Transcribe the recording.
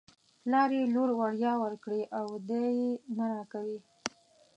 پلار یې لور وړيا ورکړې او دی یې نه راکوي.